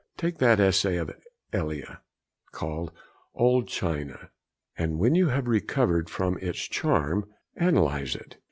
Take that essay of Elia called Old China, and, when you have recovered from its charm, analyse it.